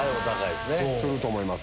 すると思います。